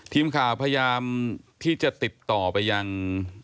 ทีมข่าวพยายามที่จะติดต่อไปยัง